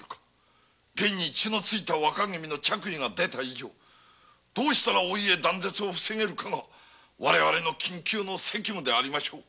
現に血のついた若君の羽織が出た以上いかにお家断絶を防ぐかが我々の緊急の責務でしょう。